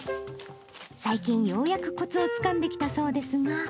最近ようやくこつをつかんできたそうですが。